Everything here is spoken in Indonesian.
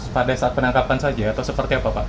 pada saat penangkapan saja atau seperti apa pak